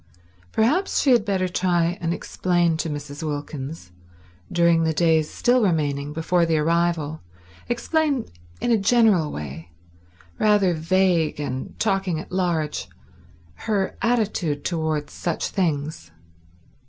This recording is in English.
Perhaps she had better try and explain to Mrs. Wilkins, during the days still remaining before the arrival—explain in a general way, rather vague and talking at large—her attitude towards such things.